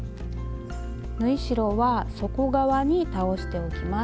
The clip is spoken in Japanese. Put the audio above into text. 縫い代は底側に倒しておきます。